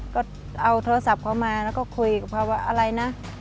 ก็เอาโทรศัพท์เขามาแล้วก็คุยกับเขาว่าอะไรนะ